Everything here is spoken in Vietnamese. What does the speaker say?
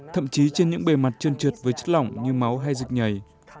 thậm chí trên những bề mặt trơn trượt với chất lỏng như máu hay dịch nhảy